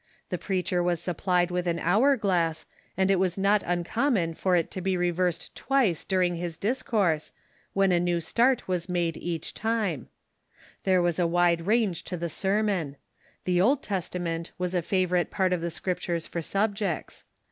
The preacher was supplied with an hour glass, and it was not un common for it to be reversed twice during his discoui'se. Sermon .•^' when a new start was made each time, ihere was a wide range to the sermon. The Old Testament was a favor ite part of the Scriptures for subjects.